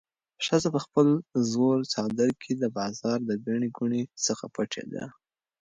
ښځه په خپل زوړ څادر کې د بازار د ګڼې ګوڼې څخه پټېده.